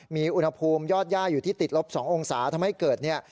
มีอุณหภูมิยอดย่าอยู่ที่ติดลบ๒องศาทำให้เกิดเนี่ย